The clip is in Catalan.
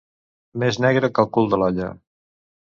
Més negre que el cul de l'olla.